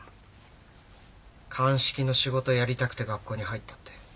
鑑識の仕事やりたくて学校に入ったって。